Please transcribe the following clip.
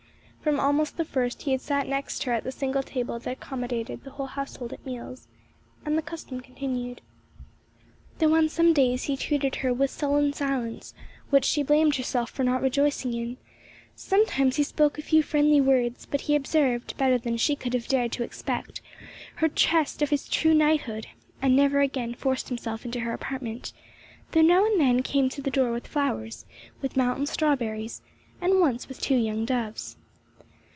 From almost the first he had sat next her at the single table that accommodated the whole household at meals, and the custom continued, though on some days he treated her with sullen silence, which she blamed herself for not rejoicing in, sometimes he spoke a few friendly words; but he observed, better than she could have dared to expect, her test of his true knighthood, and never again forced himself into her apartment, though now and then he came to the door with flowers, with mountain strawberries, and once with two young doves.